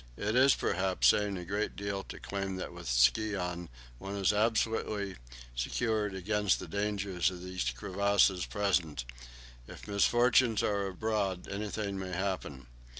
It is, perhaps, saying a good deal to claim that with ski on, one is absolutely secured against the danger these crevasses present; if misfortunes are abroad, anything may happen.